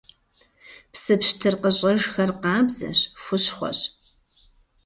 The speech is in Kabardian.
Псы пщтыр къыщӀэжхэр къабзэщ, хущхъуэщ.